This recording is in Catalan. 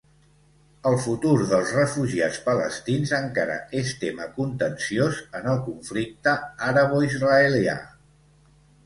El futur dels refugiats palestins encara és tema contenciós en el conflicte araboisraelià.